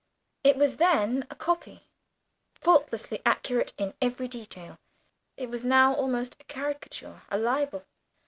It was then a copy, faultlessly accurate in every detail. It was now almost a caricature, a libel!